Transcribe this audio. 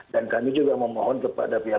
dan kami juga memohon kepada pihak